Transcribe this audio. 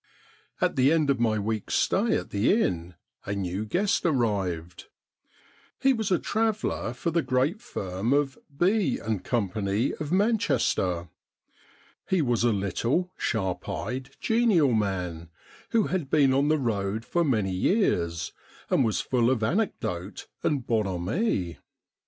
At the end of my week's stay at the inn a new guest arrived. He was a traveller for the great firm of B & Company JOHN MACDOUGAVS DOUBLE 89 of Manchester. He was a little, sharp eyed, genial man, who had been on the road for many years, and was full of anecdote and bonhomie.